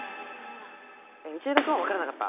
道枝君は分からなかった？